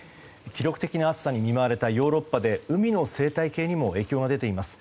記録的な暑さに見舞われたヨーロッパで海の生態系にも影響が出ています。